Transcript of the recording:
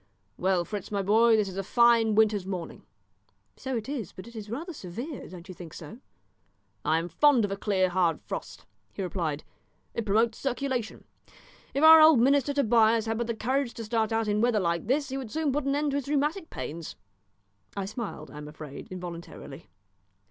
"Well, Fritz, my boy, this is a fine winter's morning." "So it is, but it is rather severe; don't you think so?" "I am fond of a clear hard frost," he replied; "it promotes circulation. If our old minister Tobias had but the courage to start out in weather like this he would soon put an end to his rheumatic pains." I smiled, I am afraid, involuntarily.